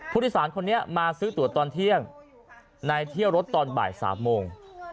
ผู้โดยสารคนนี้มาซื้อตัวตอนเที่ยงในเที่ยวรถตอนบ่าย๓โมง